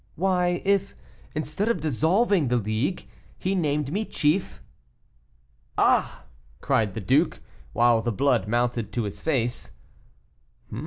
"Why, if, instead of dissolving the League, he named me chief " "Ah!" cried the duke, while the blood mounted to his face.